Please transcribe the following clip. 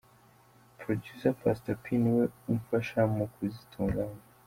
Producer Pastor P ni we umfasha mu kuzitunganya.